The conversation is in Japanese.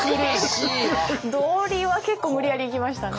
道理は結構無理やりいきましたね。